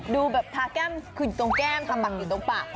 ดูแบบทาแก้มคือตรงแก้มทาบักคือตรงปาก